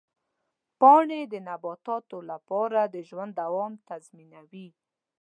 پاڼې د نباتاتو لپاره د ژوند دوام تضمینوي.